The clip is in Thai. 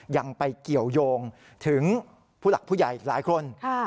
ยังไปเกี่ยวยงถึงผู้หลักผู้ใหญ่อีกหลายคน